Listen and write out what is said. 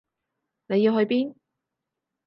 你要去邊？